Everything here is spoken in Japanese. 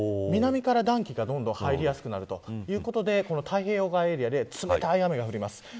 南から暖気がどんどん入りやすくなるということでこの太平洋側エリアで冷たい雨が降ります。